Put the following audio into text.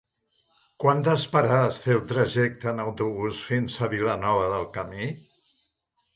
Quantes parades té el trajecte en autobús fins a Vilanova del Camí?